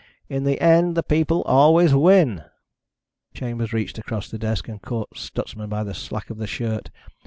In the end the people always win." Chambers reached across the desk and caught Stutsman by the slack of the shirt.